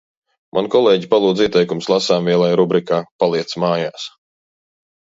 Man kolēģi palūdza ieteikumus lasāmvielai rubrikā "paliec mājās".